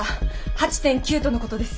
８．９とのことです。